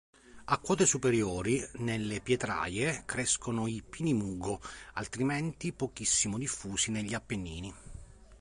A quote superiori, nelle pietraie, crescono i pini mugo, altrimenti pochissimo diffusi negli Appennini.